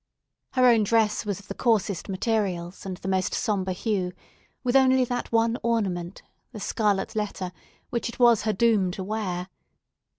Her own dress was of the coarsest materials and the most sombre hue, with only that one ornament—the scarlet letter—which it was her doom to wear.